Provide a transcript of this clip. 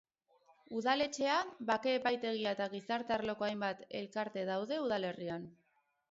Udaletxea, bake epaitegia eta gizarte arloko hainbat elkarte daude udalerrian.